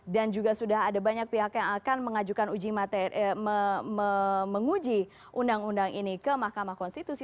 dan juga sudah ada banyak pihak yang akan mengajukan uji menguji undang undang ini ke mahkamah konstitusi